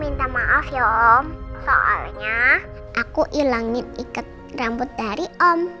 minta maaf ya om soalnya aku hilangin ikat rambut dari om